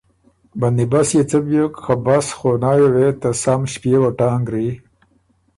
بندی بست يې څۀ بیوک خه بس خونئ یه وې ته سم ݭپيېوه ټانګری،